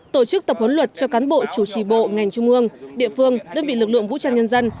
tổ chức tập huấn luật cho cán bộ chủ trì bộ ngành trung ương địa phương đơn vị lực lượng vũ trang nhân dân